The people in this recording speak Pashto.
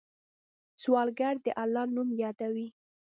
سوالګر د الله نوم یادوي